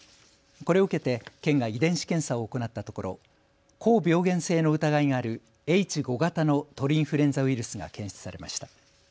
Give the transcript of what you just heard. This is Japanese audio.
これを受けて県が遺伝子検査を行ったところ、高病原性の疑いがあるＨ５型の鳥インフルエンザウイルスが検出されました。